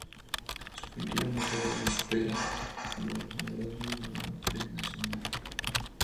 Su pintura "Mujer en espera" en el Grand Union ganó un premio nacional.